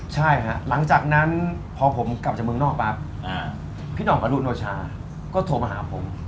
ใช่ครับหลังจากนั้นพอผมกลับจากเมืองนอกปั๊บพี่หน่องอรุโนชาก็โทรมาหาผม